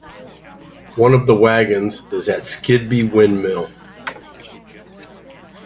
One of the wagons is at Skidby Windmill.